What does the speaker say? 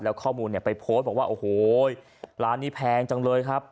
แล้วข้อมูลเนี่ยไปโพสต์บอกว่าโอ้โหร้านนี้แพงจังเลยครับ